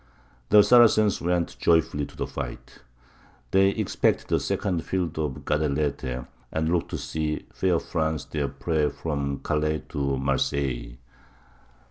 The Saracens went joyfully to the fight. They expected a second field of the Guadalete, and looked to see fair France their prey from Calais to Marseilles.